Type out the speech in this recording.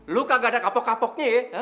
lo kagak ada kapok kapoknya ya